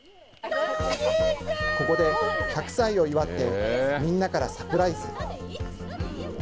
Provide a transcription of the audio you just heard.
ここで１００歳を祝ってみんなからサプライズ。